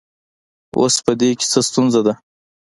اوس په دې کې څه ستونزه ده